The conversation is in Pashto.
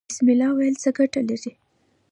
بسم الله ویل څه ګټه لري؟